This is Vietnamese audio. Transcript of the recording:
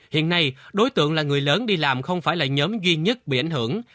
hiện nay đối tượng là người lớn đi làm không phải là nhóm duy nhất bị ảnh hưởng